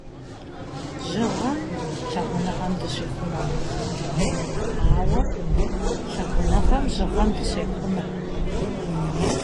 Жьыгъэм лъагъуныгъэм дыщихъумэркъым, ауэ лъагъуныгъэм жьыгъэм дыщехъумэ.